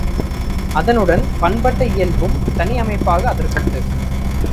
அதனுடன் பண்பட்ட இயல்பும் தனி அமைப்பாக அதற்குண்டு.